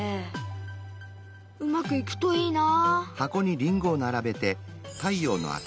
うまくいくといいな。